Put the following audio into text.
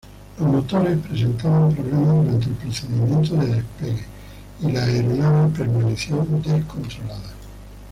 Los motores presentaban problemas durante el procedimiento de despegue y la aeronave permaneció descontrolada.